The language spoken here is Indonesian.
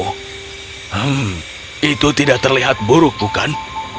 hmm itu tidak terlihat buruk bukan